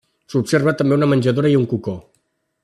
S'observa també una menjadora i un cocó.